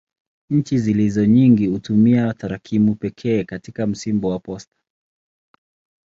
Nchi zilizo nyingi hutumia tarakimu pekee katika msimbo wa posta.